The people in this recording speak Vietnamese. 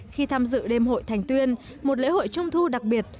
khi tham dự đêm hội thành tuyên một lễ hội trung thu đặc biệt